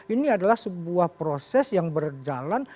ini adalah sebuah proses yang berjalan